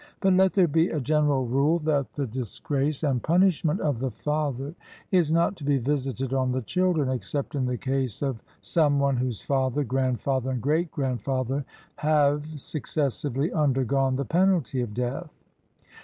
But let there be a general rule, that the disgrace and punishment of the father is not to be visited on the children, except in the case of some one whose father, grandfather, and great grandfather have successively undergone the penalty of death.